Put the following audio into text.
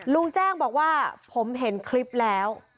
ลุงแจ้งบอกว่าผมเห็นคลิปแล้ว